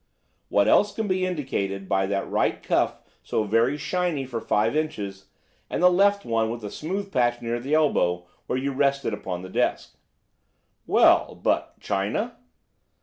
"What else can be indicated by that right cuff so very shiny for five inches, and the left one with the smooth patch near the elbow where you rest it upon the desk?" "Well, but China?"